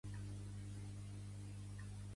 Ara és conegut com Unit.